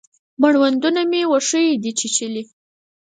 مړوندونه مې وښیو دی چیچلي